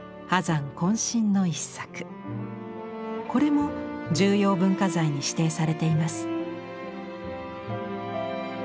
これも重要文化財に指定されています。